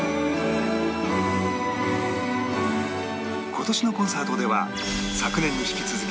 今年のコンサートでは昨年に引き続き